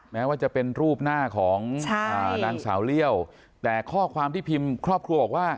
แม้ว่าจะเป็นรูปหน้าของนางสาวเลี่ยวแต่ข้อความที่พิมพ์ครอบครัวบอกว่า